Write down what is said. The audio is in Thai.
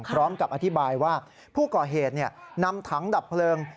พร้อมกับอธิบายว่าผู้ก่อเหตุนำถังดับเพลิง